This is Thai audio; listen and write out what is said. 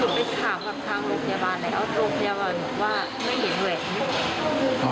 หนูไปถามทางโรงพยาบาลแล้วโรงพยาบาลบอกว่าไม่เห็นแหวน